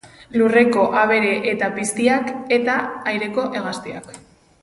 Lurreko abere eta piztiak eta aireko hegaztiak.